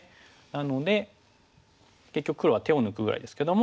なので結局黒は手を抜くぐらいですけども。